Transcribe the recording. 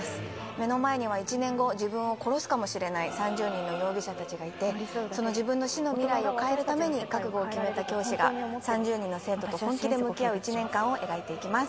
目の前には１年後自分を殺すかもしれない３０人の容疑者たちがいてその自分の死の未来を変えるために覚悟を決めた教師が３０人の生徒と本気で向き合う１年間を描いていきます。